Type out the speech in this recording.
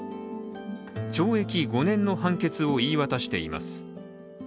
懲役５年の判決を言い渡しています。